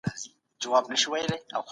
نړیوال تعامل رښتینې دوستۍ اساس دی.